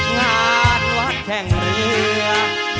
หาดวัดแข่งรี